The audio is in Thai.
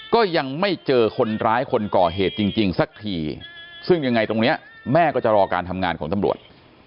ก็ยังไม่เจอคนร้ายคนก่อเหตุจริงสักทีซึ่งยังไงตรงนี้แม่ก็จะรอการทำงานของตำรวจ